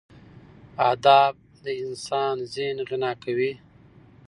ادب د انسان ذهن غنا کوي.